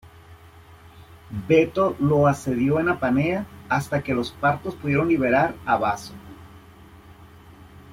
Veto lo asedió en Apamea hasta que los partos pudieron liberar a Baso.